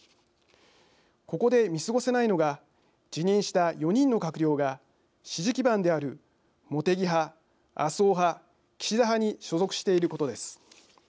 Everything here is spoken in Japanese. ここで見過ごせないのが辞任した４人の閣僚が支持基盤である茂木派、麻生派岸田派に所属していることです。